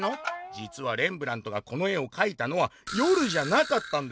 「じつはレンブラントがこの絵を描いたのは夜じゃなかったんです。